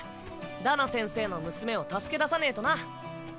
ダナ先生の娘を助け出さねぇとな。